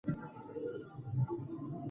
ټولنیز تعامل د خبرو پر بنسټ ولاړ وي.